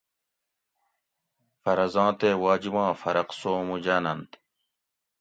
فرضاں تے واجِباں فرق سومو جاۤننت